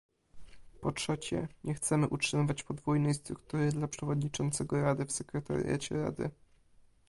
Po trzecie, nie chcemy utrzymywać podwójnej struktury dla przewodniczącego Rady w Sekretariacie Rady